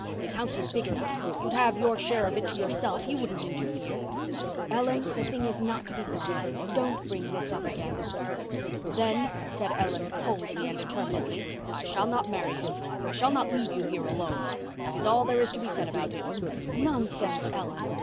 His house is big enough—you'd have your share of it to yourself—he wouldn't interfere." "Ellen, the thing is not to be thought of. Don't bring this up again." "Then," said Ellen coldly, and determinedly, "I shall not marry him. I shall not leave you here alone. That is all there is to be said about it." "Nonsense, Ellen."